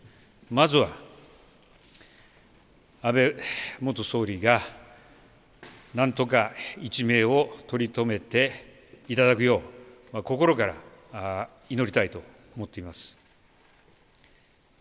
まずは、安倍元総理が何とか一命をとりとめていただくよう心から祈りたいと思っています。